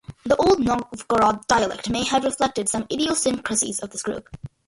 The Old Novgorod dialect may have reflected some idiosyncrasies of this group.